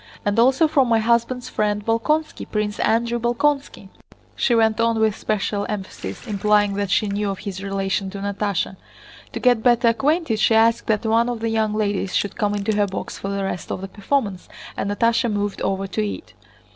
And also from my husband's friend Bolkónski, Prince Andrew Bolkónski," she went on with special emphasis, implying that she knew of his relation to Natásha. To get better acquainted she asked that one of the young ladies should come into her box for the rest of the performance, and Natásha moved over to it.